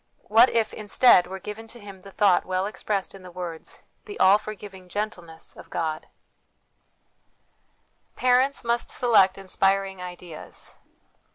What if, instead, were given to him the thought well expressed in the words, " The all forgiving gentleness of God"? 346 HOME EDUCATION Parents must select Inspiring Ideas.